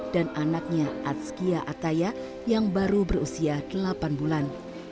dan anaknya atskia ataya yang baru berusia delapan bulan